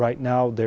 đang phát triển